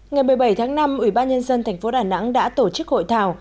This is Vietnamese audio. ngày một mươi bảy tháng năm ủy ban nhân dân tp đà nẵng đã tổ chức hội thảo